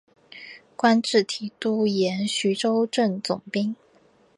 官至提督衔徐州镇总兵。